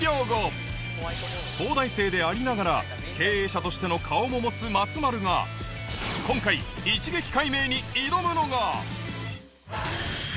東大生でありながら経営者としての顔も持つ松丸が今回突然ですが。